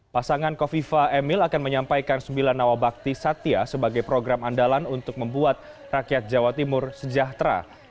pasangan kofifa emil akan menyampaikan sembilan nawabakti satya sebagai program andalan untuk membuat rakyat jawa timur sejahtera